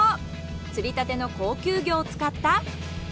釣りたての高級魚を使った。